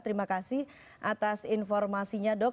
terima kasih atas informasinya dok